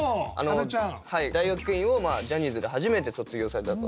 大学院をジャニーズで初めて卒業されたと。